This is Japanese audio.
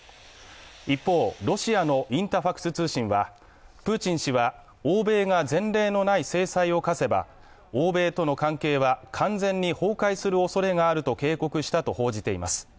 一方、ロシアのインタファクス通信はプーチン氏は欧米が前例のない制裁を科せば、欧米との関係は完全に崩壊するおそれがあると警告したと報じています。